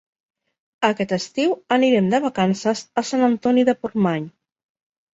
Aquest estiu anirem de vacances a Sant Antoni de Portmany.